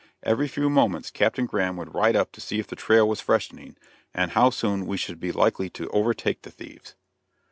Every few moments Captain Graham would ride up to see if the trail was freshening and how soon we should be likely to overtake the thieves.